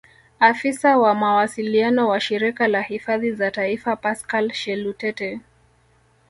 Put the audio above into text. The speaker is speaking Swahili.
Afisa wa mawasiliano wa Shirika la Hifadhi za Taifa Pascal Shelutete